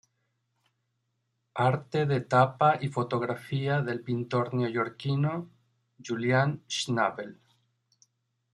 Arte de tapa y fotografía del pintor neoyorquino Julian Schnabel.